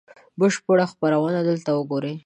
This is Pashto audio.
بشپړه خپرونه دلته وګورئ